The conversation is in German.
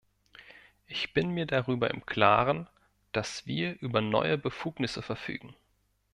Ich bin mir darüber im Klaren, dass wir über neue Befugnisse verfügen.